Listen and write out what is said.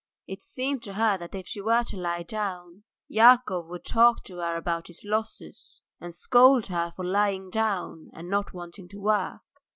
It seemed to her that if she were to lie down Yakov would talk to her about his losses, and scold her for lying down and not wanting to work.